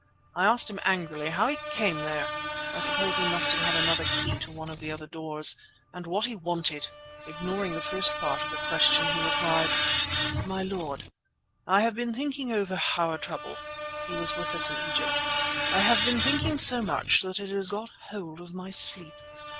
I asked him angrily how he came there (I suppose he must have had another key to one of the other doors) and what he wanted. Ignoring the first part of the question he replied: "'My lord, I have been thinking over our trouble'—he was with us in Egypt—'I have been thinking so much that it has got a hold of my sleep.